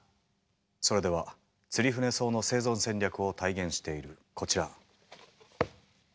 それではツリフネソウの生存戦略を体現しているこちら。